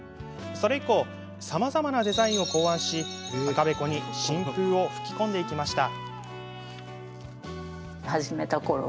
それ以降さまざまなデザインを考案し赤べこに新風を吹き込んでいきました。